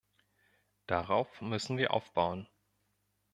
Darauf müssen wir aufbauen.